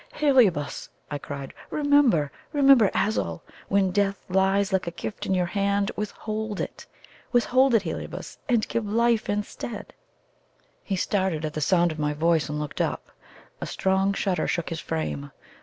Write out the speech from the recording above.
"Heliobas!" I cried "Remember, remember Azul! When Death lies like a gift in your hand, withhold it. Withhold it, Heliobas; and give Life instead!" He started at the sound of my voice, and looked up. A strong shudder shook his frame.